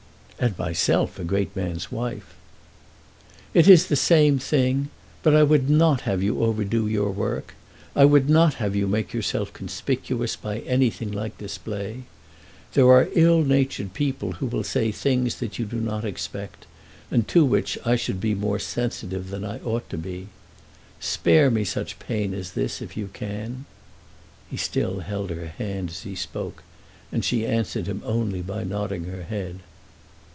"And myself a great man's wife." "It is the same thing. But I would not have you overdo your work. I would not have you make yourself conspicuous by anything like display. There are ill natured people who will say things that you do not expect, and to which I should be more sensitive than I ought to be. Spare me such pain as this, if you can." He still held her hand as he spoke, and she answered him only by nodding her head.